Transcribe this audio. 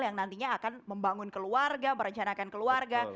yang nantinya akan membangun keluarga merencanakan keluarga